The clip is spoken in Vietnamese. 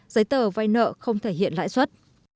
giấy tờ vai nợ không thể hiện lãi xuất